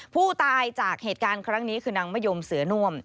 ผู้ตายจากเหตุการณ์ครั้งนี้คือนางมะยมเสือน่วม